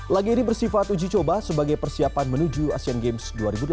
laga ini bersifat uji coba sebagai persiapan menuju asean games dua ribu delapan belas